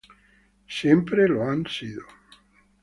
Siempre lo han sido.